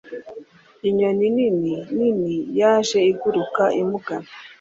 Inyoni nini nini yaje iguruka imugana.